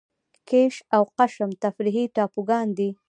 کیش او قشم تفریحي ټاپوګان دي.